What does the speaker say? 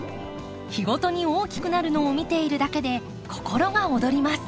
日ごとに大きくなるのを見ているだけで心が躍ります。